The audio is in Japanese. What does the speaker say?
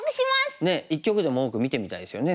一局でも多く見てみたいですよね